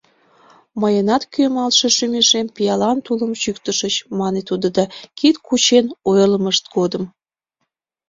Мыйынат кӱэмалтше шӱмешем пиалан тулым чӱктышыч, — мане тудо кид кучен ойырлымышт годым.